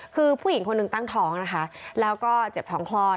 คือผู้หญิงคนหนึ่งตั้งท้องนะคะแล้วก็เจ็บท้องคลอด